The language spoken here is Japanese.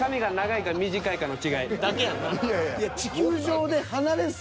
だけやんな。